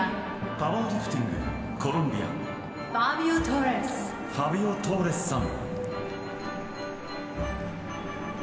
パワーリフティング、コロンビアファビオ・トーレスさん。